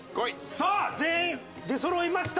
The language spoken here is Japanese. さあ全員出そろいました。